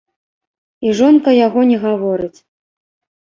І жонка яго не гаворыць.